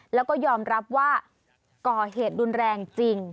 แล้วก็ยอมรับว่าก่อเหตุรุนแรงจริง